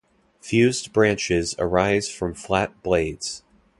Fused branches arise from flat blades.